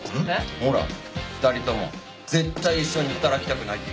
ほら２人とも絶対一緒に働きたくないって。